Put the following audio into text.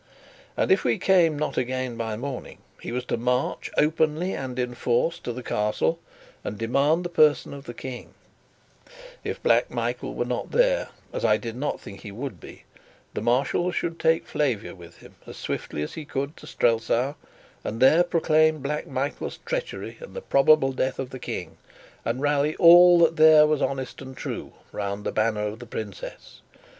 And if we came not again by the morning, he was to march, openly and in force to the Castle, and demand the person of the King; if Black Michael were not there, as I did not think he would be, the Marshal would take Flavia with him, as swiftly as he could, to Strelsau, and there proclaim Black Michael's treachery and the probable death of the King, and rally all that there was honest and true round the banner of the princess.